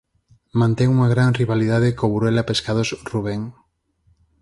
Mantén unha gran rivalidade co Burela Pescados Rubén.